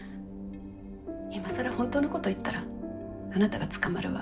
今更本当のことを言ったらあなたが捕まるわ。